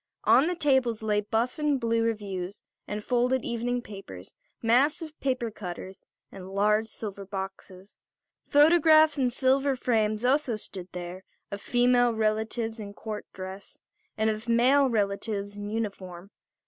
On the tables lay buff and blue reviews and folded evening papers, massive paper cutters and large silver boxes. Photographs in silver frames also stood there, of female relatives in court dress and of male relatives in uniform.